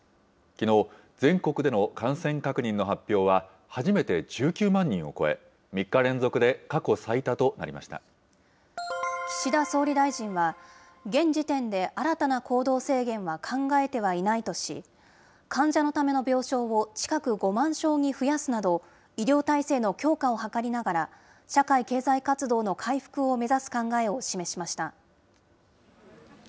きのう、全国での感染確認の発表は初めて１９万人を超え、岸田総理大臣は、現時点で新たな行動制限は考えてはいないとし、患者のための病床を近く５万床に増やすなど、医療体制の強化を図りながら、社会経済活動の回復を目指す考えを示しました。